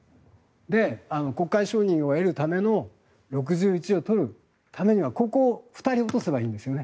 国会承認を得るための６１を取るためにはここを２人落とせばいいんですよね。